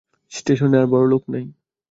স্টেশনে আর বড়ো লোক নাই।